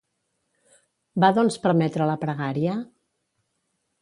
Va doncs permetre la pregària?